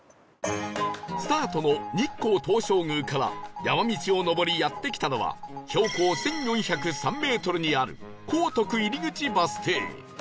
スタートの日光東照宮から山道を上りやって来たのは標高１４０３メートルにある光徳入口バス停